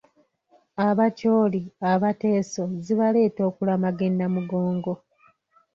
"Abacholi, Abateeso zibaleeta okulamaga e Namugongo."